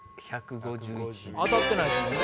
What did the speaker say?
当たってないですもんね。